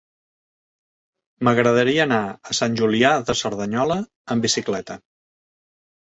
M'agradaria anar a Sant Julià de Cerdanyola amb bicicleta.